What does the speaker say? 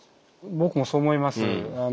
僕もそう思います。